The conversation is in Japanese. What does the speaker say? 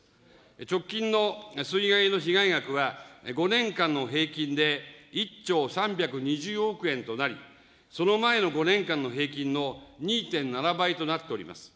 直近の水害の被害額は、５年間の平均で１兆３２０億円となり、その前の５年間の平均の２．７倍となっております。